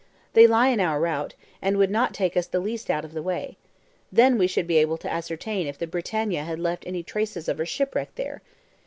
They lie in our route, and would not take us the least out of the way. Then we should be able to ascertain if the BRITANNIA had left any traces of her shipwreck there?"